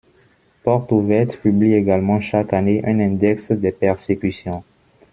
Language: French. Portes ouvertes publie également chaque année un index des persécutions.